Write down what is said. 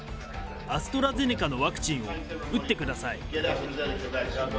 アストラゼネカのワクチンを打ってください。